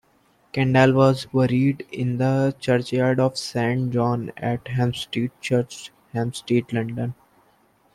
Kendall was buried in the churchyard of Saint John-at-Hampstead Church, Hampstead, London.